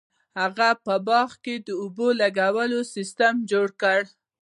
هغه په باغ کې د اوبو لګولو سیستم جوړ کړ.